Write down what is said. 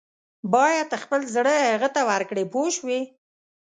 باید خپل زړه هغه ته ورکړې پوه شوې!.